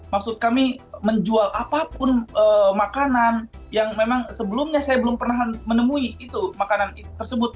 maksud kami menjual apapun makanan yang memang sebelumnya saya belum pernah menemui itu makanan tersebut